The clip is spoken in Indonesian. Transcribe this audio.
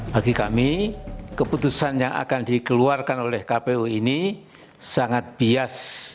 bagi kami keputusan yang akan dikeluarkan oleh kpu ini sangat bias